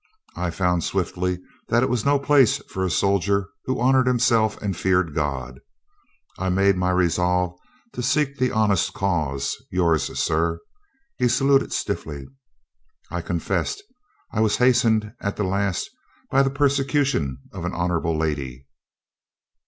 I found swiftly that it was no place for a soldier who honored himself and feared God. I made my resolve to seek the honest cause — ^yours, sir." He saluted stiffly. "I'll confess I was hast ened at the last by the persecution of an honorable lady.